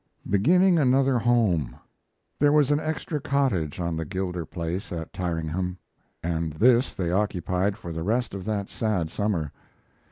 CCXXXIII. BEGINNING ANOTHER HOME There was an extra cottage on the Gilder place at Tyringham, and this they occupied for the rest of that sad summer.